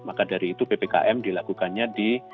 maka dari itu ppkm dilakukannya di